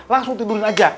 langsung tidurin aja